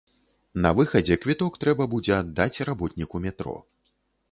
На выхадзе квіток трэба будзе аддаць работніку метро.